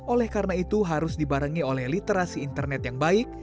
oleh karena itu harus dibarengi oleh literasi internet yang baik